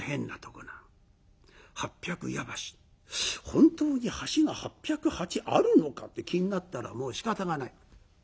本当に橋が８０８あるのかって気になったらもうしかたがない。